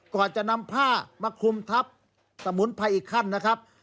ก่อนจะนำผ้ามาคลุมทับสมุนไพรอีกขั้นนะครับ